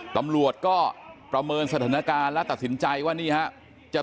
ตำรวจก็ประเมินสถานการณ์และตัดสินใจว่านี่ฮะจะ